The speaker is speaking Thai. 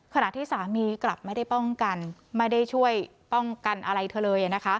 ขณะที่สามีกลับไม่ได้ช่วยป้องกันอะไรเธอเลย